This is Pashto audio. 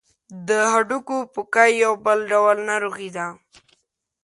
د هډوکو پوکی یو بل ډول ناروغي ده.